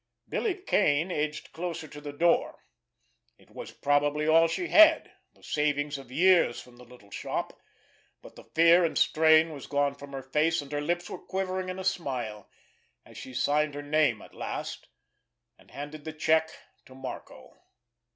Billy Kane edged closer to the door. It was probably all she had, the savings of years from the little shop, but the fear and strain was gone from her face, and her lips were quivering in a smile, as she signed her name at last, and handed the check to Marco.